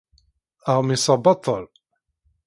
Aɣmis-a baṭel.